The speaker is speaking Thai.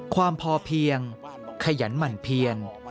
ความพอเพียงขยันหมั่นเพียน